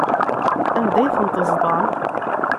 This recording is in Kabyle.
Anda ay ten-teẓḍam?